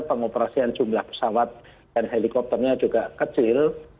pengoperasian jumlah pesawat dan helikopternya juga kecil